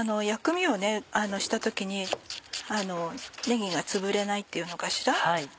薬味をした時にねぎがつぶれないっていうのかしら。